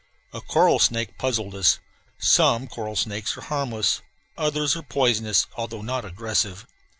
A coral snake puzzled us. Some coral snakes are harmless; others are poisonous, although not aggressive.